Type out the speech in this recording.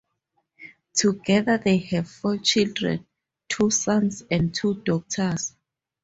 Together they have four children: two sons and two daughters.